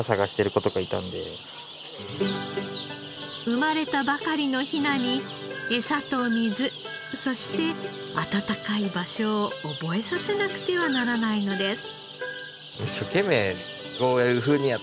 生まれたばかりのヒナにエサと水そして暖かい場所を覚えさせなくてはならないのです。